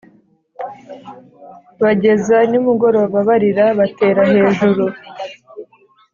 bageza nimugoroba barira batera hejuru